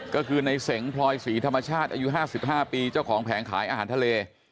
ก็คือในเสงพลอยศรีธรรมชาติอายุ๕๕ปีเจ้าของแผงขายอาหารทะเล